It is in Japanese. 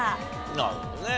なるほどね。